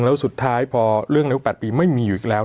แล้วสุดท้ายพอเรื่องอายุ๘ปีไม่มีอยู่อีกแล้ว